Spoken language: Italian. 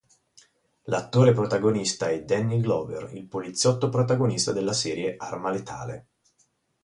L'attore protagonista è Danny Glover, il poliziotto protagonista della serie "Arma letale".